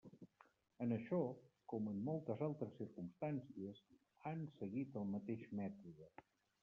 En això, com en moltes altres circumstàncies, han seguit el mateix mètode.